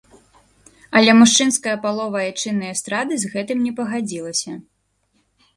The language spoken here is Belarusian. Але мужчынская палова айчыннай эстрады з гэтым не пагадзілася.